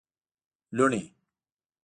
لوڼی